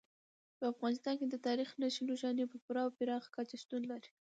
په افغانستان کې د تاریخ نښې نښانې په پوره او پراخه کچه شتون لري.